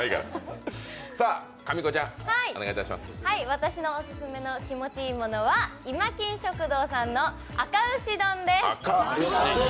私しのオススメの気持ち良いものはいまきん食堂さんのあか牛丼です！